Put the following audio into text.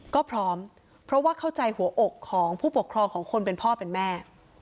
ก็พร้อมเพราะว่าเข้าใจหัวอกของผู้ปกครองของคนเป็นพ่อเป็นแม่